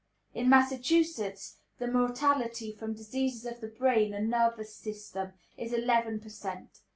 In Massachusetts the mortality from diseases of the brain and nervous system is eleven per cent.